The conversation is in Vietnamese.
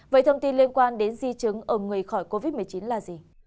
vậy thông tin liên quan đến di chứng ở người khỏi covid một mươi chín là gì